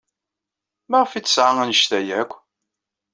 Maɣef ay d-tesɣa anect-a akk?